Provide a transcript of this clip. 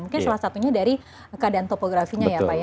mungkin salah satunya dari keadaan topografinya ya pak ya